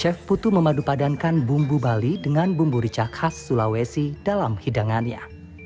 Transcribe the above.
chef putu memadupadankan bumbu bali dengan bumbu rica khas sulawesi dalam hidangannya